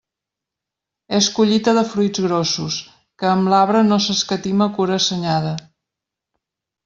És collita de fruits grossos, que amb l'arbre no s'escatima cura assenyada.